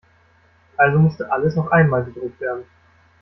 Also musste alles noch einmal gedruckt werden.